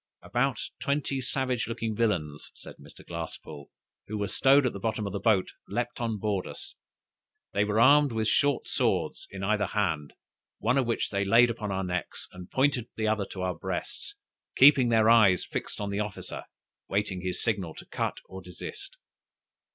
"About twenty savage looking villains," says Mr. Glasspoole, "who were stowed at the bottom of the boat, leaped on board us. They were armed with a short sword in either hand, one of which they layed upon our necks, and pointed the other to our breasts, keeping their eyes fixed on their officer, waiting his signal to cut or desist.